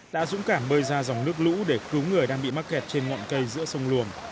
đã dũng cảm bơi ra dòng nước lũ để cứu người đang bị mắc kẹt trên ngọn cây giữa sông luồng